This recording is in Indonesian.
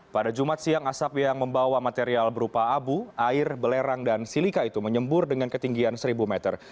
pada jumat siang asap yang membawa material berupa abu air belerang dan silika itu menyembur dengan ketinggian seribu meter